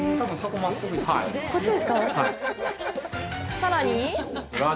さらに。